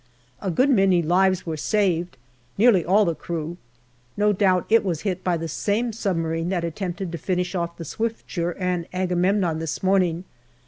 A good many lives were saved nearly all the crew. No doubt it was hit by the same submarine that attempted to finish off the Swiftsure and Agamemnon this morning.